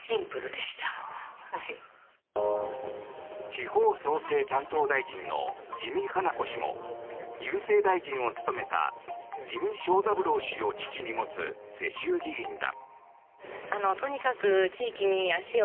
地方創生担当大臣の自見英子氏も郵政大臣を務めた自見庄三郎氏を父に持つ世襲議員だ。